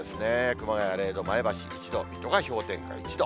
熊谷０度、前橋１度、水戸が氷点下１度。